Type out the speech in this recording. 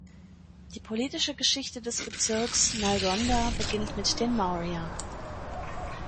Die politische Geschichte des Bezirks Nalgonda beginnt mit den Maurya.